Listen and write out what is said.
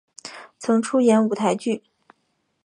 曾演出舞台剧。